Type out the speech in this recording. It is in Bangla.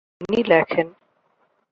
তিনি লেখেন